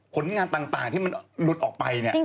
ผลงานต่างที่มันหลุดออกไปเนี่ย